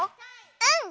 うん。